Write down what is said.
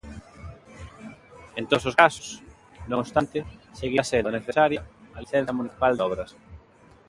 En todos os casos, non obstante, seguirá sendo necesaria a licenza municipal de obras.